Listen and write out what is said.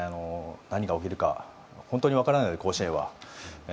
何が起きるか本当に分からないので、甲子園は。